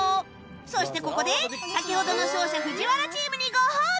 そしてここで先ほどの勝者 ＦＵＪＩＷＡＲＡ チームにご褒美！